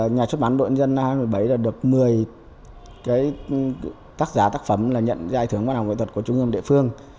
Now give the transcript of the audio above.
nhà xuất bản đội dân hai nghìn một mươi bảy là được một mươi tác giả tác phẩm nhận giai thưởng quan hệ nghệ thuật của trung ương địa phương